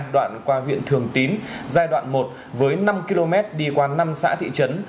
đoạn qua huyện thường tín giai đoạn một với năm km đi qua năm xã thị trấn